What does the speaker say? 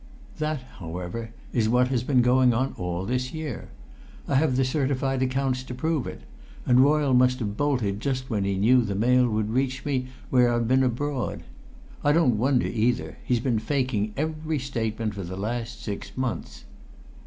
That, however, is what has been going on all this year. I have the certified accounts to prove it, and Royle must have bolted just when he knew the mail would reach me where I've been abroad. I don't wonder, either; he's been faking every statement for the last six months!"